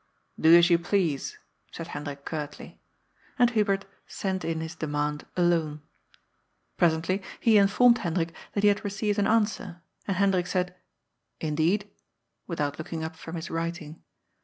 ^^Do as yoa please,^ said Hendrik cnrtly. And Hubert sent in his demand alone. Presently he informed Hendrik that he had received an answer, and Hendrik said :^^ Indeed ?" without looking up from his writing.